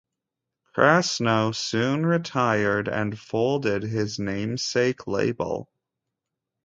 Krasnow soon retired and folded his namesake label.